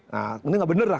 nah ini gak bener lah